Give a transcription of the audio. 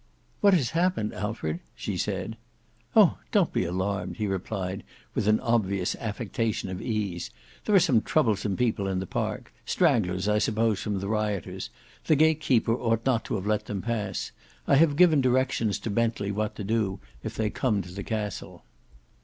"What has happened Alfred?" she said. "Oh! don't be alarmed," he replied with an obvious affectation of ease. "There are some troublesome people in the park; stragglers I suppose from the rioters. The gate keeper ought not to have let them pass. I have given directions to Bentley what to do, if they come to the castle."